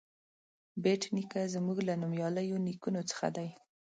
بېټ نیکه زموږ له نومیالیو نیکونو څخه دی.